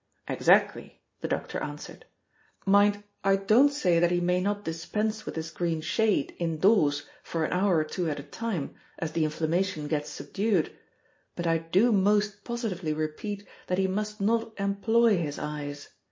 "Exactly," the doctor answered. "Mind, I don't say that he may not dispense with his green shade, indoors, for an hour or two at a time, as the inflammation gets subdued. But I do most positively repeat that he must not employ his eyes.